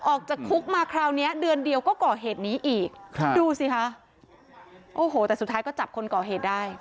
ออกจากคุกมาคราวนี้เดือนเดียวก็ก่อเหตุนี้อีกครับดูสิคะโอ้โหแต่สุดท้ายก็จับคนก่อเหตุได้